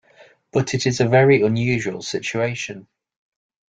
'But it is a very unusual situation.